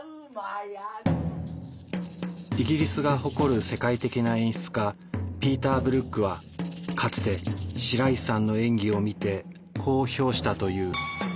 イギリスが誇る世界的な演出家ピーター・ブルックはかつて白石さんの演技を見てこう評したという。